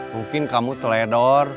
mungkin kamu teledor